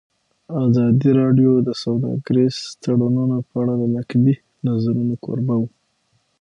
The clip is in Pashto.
ازادي راډیو د سوداګریز تړونونه په اړه د نقدي نظرونو کوربه وه.